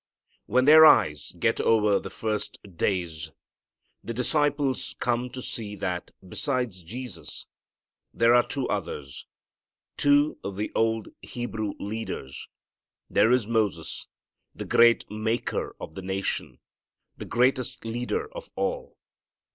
When their eyes get over the first daze, the disciples come to see that besides Jesus there are two others, two of the old Hebrew leaders. There is Moses, the great maker of the nation, the greatest leader of all.